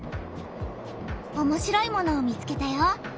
おもしろいものを見つけたよ。